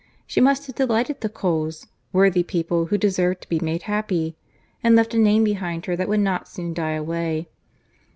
She must have delighted the Coles—worthy people, who deserved to be made happy!—And left a name behind her that would not soon die away.